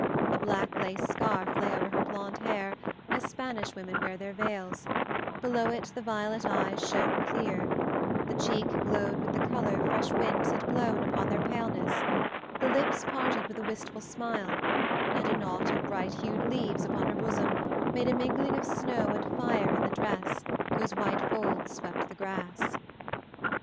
A black lace scarf lay over her blonde hair as Spanish women wear their veils, below it the violet eyes shone clear, the cheek glowed with the color fresh winds had blown upon their paleness, the lips parted with a wistful smile, and a knot of bright hued leaves upon her bosom made a mingling of snow and fire in the dress, whose white folds swept the grass.